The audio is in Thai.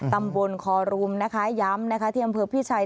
ตำบลคอลูมย้ำธีนอำเภอพี่ชัย